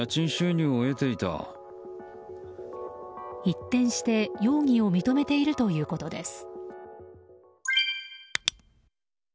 一転して容疑を認めているということです。